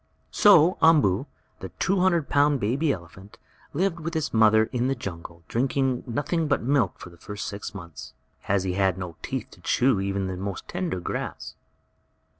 So Umboo, the two hundred pound baby elephant, lived with his mother in the jungle, drinking nothing but milk for the first six months, as he had no teeth to chew even the most tender grass.